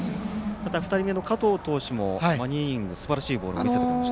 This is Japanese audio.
また２人目の加藤投手も２イニングすばらしいピッチングを見せてくれました。